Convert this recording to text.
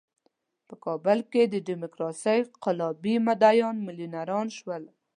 په کابل کې د ډیموکراسۍ قلابي مدعیان میلیونران شول.